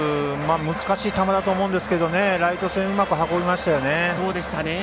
難しい球だと思うんですがライト線、うまく運びましたよね。